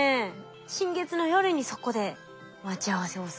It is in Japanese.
新月の夜にそこで待ち合わせをするんですね。